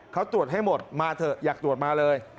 เขาตรวจให้หมดมาเถอะอยากตรวจมาเลย